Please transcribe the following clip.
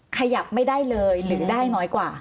ขยับไม่ได้เลยหรือได้น้อยกว่า